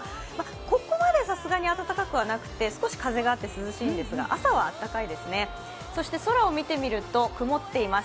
ここまでさすがに暖かくはなくて少し風があって涼しいんですが、朝は暖かいですね、そして空を見てみると曇っています。